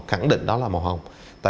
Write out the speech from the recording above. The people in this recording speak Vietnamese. bi hại nói là màu hồng